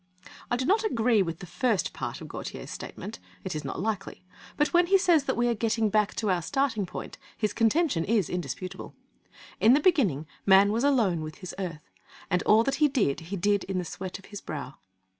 I do not agree with the first part of Gautier's statement. It is not likely. But when he says that we are getting back to our starting point, his contention is indisputable. In the beginning, man was alone with his earth; and all that he did, he did in the sweat of his brow.